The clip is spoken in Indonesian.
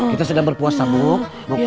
kita sudah berpuasa buk